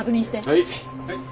はい。